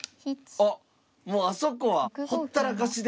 あっもうあそこはほったらかしで。